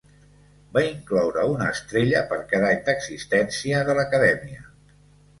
Va incloure una estrella per cada any d'existència de l'acadèmia.